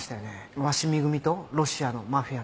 鷲見組とロシアのマフィアの。